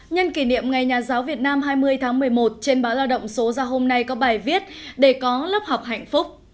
nhân kỷ niệm ngày nhà giáo việt nam hai mươi tháng một mươi một trên báo lao động số ra hôm nay có bài viết để có lớp học hạnh phúc